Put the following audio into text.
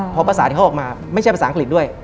เพราะภาษาที่เขาออกมาไม่ใช่ภาษาอังกฤษด้วย